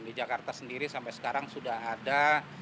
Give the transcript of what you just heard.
di jakarta sendiri sampai sekarang sudah ada